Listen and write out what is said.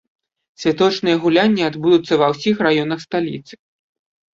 Святочныя гулянні адбудуцца ва ўсіх раёнах сталіцы.